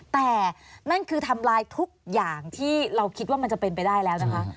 แต่นั่นคือทำลายทุกอย่างที่เราคิดว่ามันจะเป็นไปได้แล้วนะคะ